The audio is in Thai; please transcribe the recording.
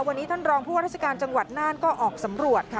วันนี้ท่านรองผู้ว่าราชการจังหวัดน่านก็ออกสำรวจค่ะ